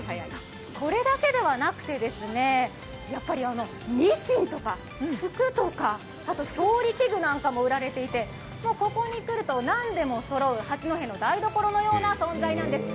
これだけではなくて、やっぱりミシンとか服とかあと調理器具なんかも売られていて何でもそろう八戸の台所のような存在なんです。